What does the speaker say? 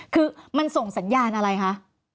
คือมันส่งสัญญาณอะไรคะ